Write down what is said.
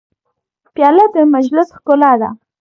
پیاله د مجلس ښکلا ده.